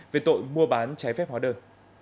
về tội mua bán trái phép hóa đơn